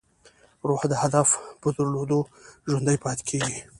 روح د هدف په درلودو ژوندی پاتې کېږي.